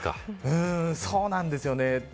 そうなんですよね。